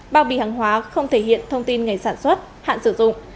bao bì hàng hóa không thể hiện thông tin ngày sản xuất hạn sử dụng